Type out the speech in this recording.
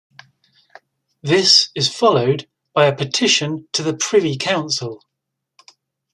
This is followed by a petition to the Privy Council.